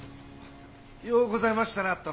ようございましたな殿。